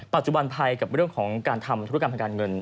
ปัจจุบันภัยกับเรื่องของการทำธุรกรรมทางการเงิน